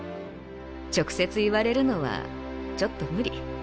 直接言われるのはちょっとムリ。